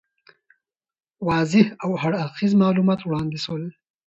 واضح او هر اړخیز معلومات وړاندي سول.